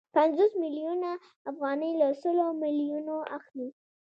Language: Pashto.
پنځوس میلیونه افغانۍ له سلو میلیونو اخلي